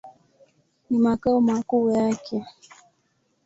Ni makao makuu yake.